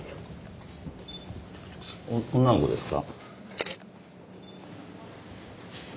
女の子ですか？